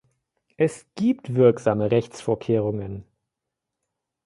Es gibt wirksame Rechtsvorkehrungen.